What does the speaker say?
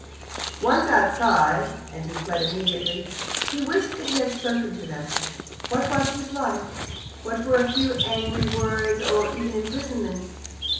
Once outside and he fled immediately he wished that he had spoken to them. What was his life? What were a few angry words, or even imprisonment?